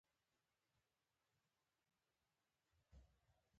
د عشقري په څېر مو پر دود سترګې مړې کړې.